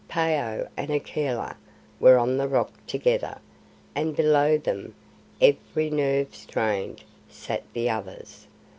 Phao and Akela were on the Rock together, and below them, every nerve strained, sat the others.